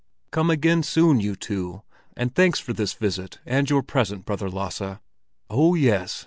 "Come again soon, you two, and thanks for this visit and your present, Brother Lasse! Oh, yes!"